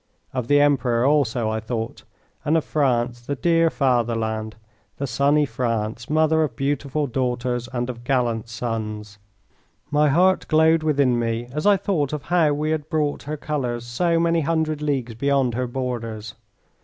Of the Emperor also I thought, and of France, the dear fatherland, the sunny France, mother of beautiful daughters and of gallant sons. My heart glowed within me as I thought of how we had brought her colours so many hundred leagues beyond her borders.